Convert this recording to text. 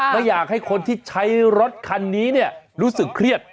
ไม่อยากให้คนที่ใช้รถคันนี้เนี่ยรู้สึกเครียด